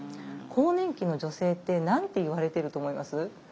更年期の女性って何て言われてると思います？